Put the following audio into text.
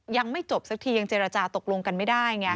ยังไม่จบสักทียังเจรจาตกลงกันไม่ได้ไง